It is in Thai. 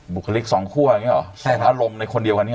บุคลิกสองคั่วอย่างนี้หรอสองอารมณ์ในคนเดียวกัน